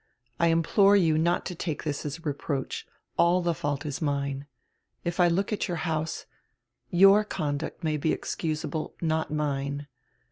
I implore you not to take this as a reproach. All die fault is mine. If I look at your house — jour conduct may be excusable, not mine.